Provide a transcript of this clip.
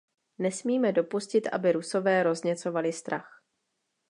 Nesmíme dopustit, aby Rusové rozněcovali strach.